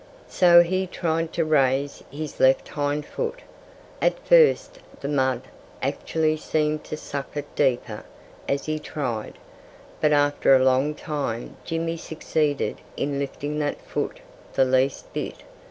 So he tried to raise his left hind foot. At first the mud actually seemed to suck it deeper, as he tried. But after a long time Jimmy succeeded in lifting that foot the least bit.